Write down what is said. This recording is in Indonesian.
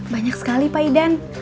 banyak sekali pak idan